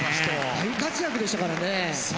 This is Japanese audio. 大活躍でしたからね。